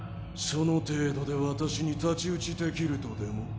その程度で私に太刀打ちできるとでも？